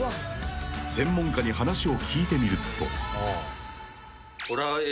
［専門家に話を聞いてみると］